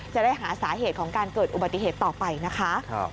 จะได้หาสาเหตุของการเกิดอุบัติเหตุต่อไปนะคะ